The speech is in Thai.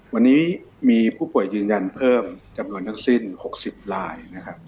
วันนี้มีผู้ป่วยยืนยันเพิ่มจำนวนทั้งสิ้น๖๐ลายนะครับ